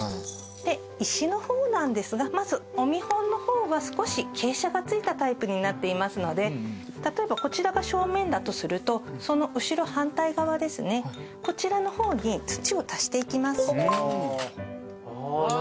で石の方なんですがまずお見本の方は少し傾斜がついたタイプになっていますので例えばこちらが正面だとするとその後ろ反対側ですねこちらの方に土を足していきます。